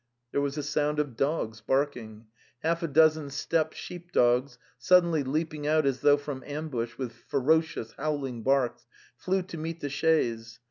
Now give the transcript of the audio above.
There was a sound of dogs barking. Half a dozen steppe sheep dogs, suddenly leaping out as though from ambush, with ferocious howling barks, flew to meet the chaise.